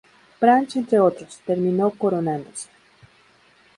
Branch entre otros, terminó coronándose.